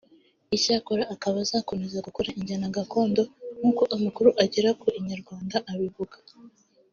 Icyakora akaba azakomeza gukora injyana gakondo nkuko amakuru agera ku Inyarwanda abivuga